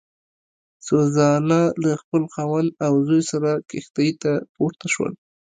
سوزانا له خپل خاوند او زوی سره کښتۍ ته پورته شول.